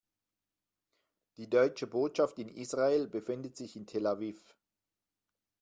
Die Deutsche Botschaft in Israel befindet sich in Tel Aviv.